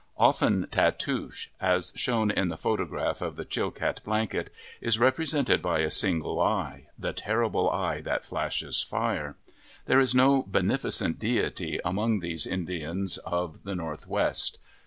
Often Tatoosh, as shown in the photograph of the Chilcat blanket, is represented by a single eye the terrible eye that flashes fire. There is no beneficent deity among these Indians of the Northwest.